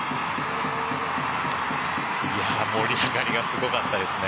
盛り上がりがすごかったですね。